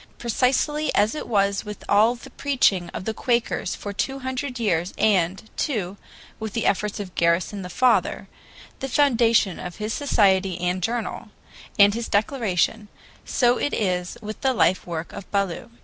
Precisely as it was with all the preaching of the Quakers for two hundred years and, too, with the efforts of Garrison the father, the foundation of his society and journal, and his Declaration, so it is with the life work of Ballou.